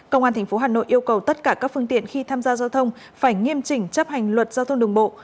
công an tp hà nội yêu cầu tất cả các phương tiện khi tham gia giao thông phải nghiêm chỉnh chấp hành luật giao thông đường bộ